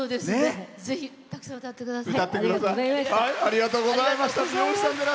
ぜひたくさん歌ってください。